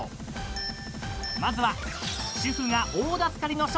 ［まずは］